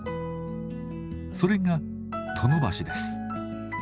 それが殿橋です。